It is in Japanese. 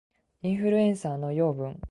インフルエンサーの養分